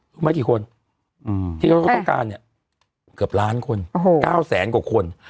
ดูไหมกี่คนอืมที่เขาต้องการเนี้ยเกือบล้านคนโอ้โหเก้าแสนกว่าคน